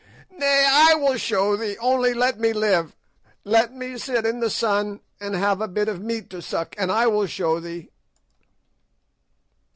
"Nay, I will show thee. Only let me live, let me sit in the sun and have a bit of meat to suck, and I will show thee."